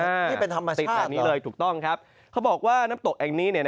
เอ้าเลยนี่เป็นธรรมชาติเหรอถูกต้องครับเขาบอกว่าน้ำตกแห่งนี้